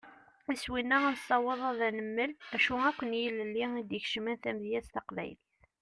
Iswi-nneɣ ad nessaweḍ ad d-nemmel acu akk n yilelli i d-ikecmen tamedyazt taqbaylit.